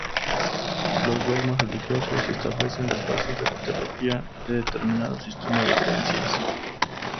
Los dogmas religiosos establecen las bases de la teología de determinado sistema de creencias.